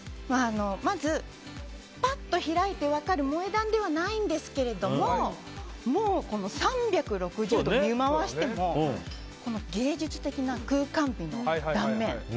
まず、パッと開いて分かる萌え断ではないんですけれども３６０度見回しても芸術的な空間美の断面